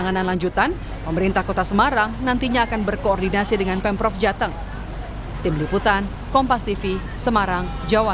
dengan anganan lanjutan pemerintah kota semarang nantinya akan berkoordinasi dengan pemprov jateng